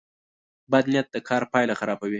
بد نیت د کار پایله خرابوي.